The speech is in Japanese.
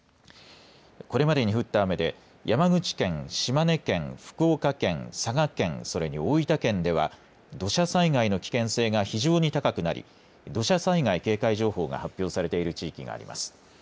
これまでに降った雨で山口県、島根県、福岡県、佐賀県、それに大分県では土砂災害の危険性が非常に高くなり土砂災害警戒情報が発表されている地域があります。